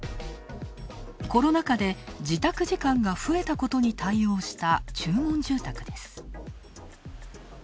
コロナ禍で自宅時間が増えたことに対応した注文住宅です。